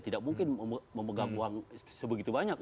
tidak mungkin memegang uang sebegitu banyak